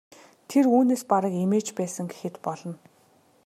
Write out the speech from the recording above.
Тэр үүнээс бараг эмээж байсан гэхэд болно.